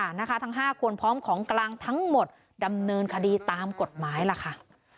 นะคะทั้ง๕คนพร้อมของกลางทั้งหมดดำเนินคดีตามกฎหมายล่ะค่ะ